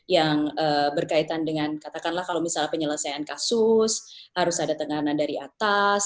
yang berkaitan dengan katakanlah kalau misalnya penyelesaian kasus harus ada tenganan dari atas